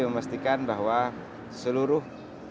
memastikan bahwa seluruh